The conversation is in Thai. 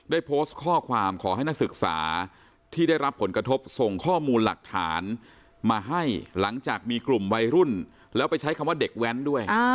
ได้โพสต์ข้อความขอให้นักศึกษาที่ได้รับผลกระทบส่งข้อมูลหลักฐานมาให้หลังจากมีกลุ่มวัยรุ่นแล้วไปใช้คำว่าเด็กแว้นด้วย